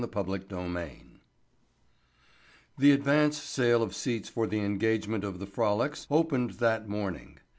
Chapter Seventeen The advance sale of seats for the engagement of the Frolics opened that morning.